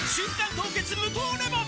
凍結無糖レモン」